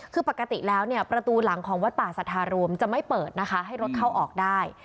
คือปกติแล้วเนี่ยประตูหลังของวัดป่าสัทธารวมจะไม่เปิดนะคะให้รถเข้าออกได้